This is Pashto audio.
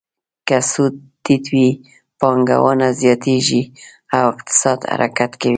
که سود ټیټ وي، پانګونه زیاتیږي او اقتصاد حرکت کوي.